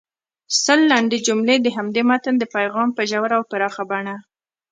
سل لنډې جملې د همدې متن د پیغام په ژوره او پراخه بڼه